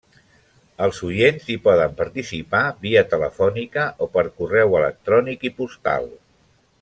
Els oients hi poden participar via telefònica o per correu electrònic i postal.